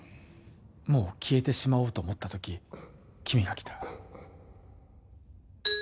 もう消えてしまおうと思ったとき、君が来た。